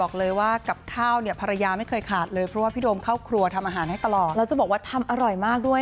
ก็ไม่ได้ฟิกครับก็ธรรมชาติ